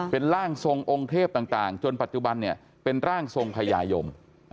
เป็นร่างทรงองค์เทพต่างจนปัจจุบันเนี่ยเป็นร่างทรงพญายม